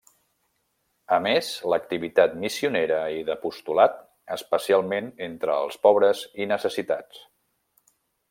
A més, l'activitat missionera i d'apostolat, especialment entre els pobres i necessitats.